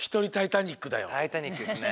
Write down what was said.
「タイタニック」ですね。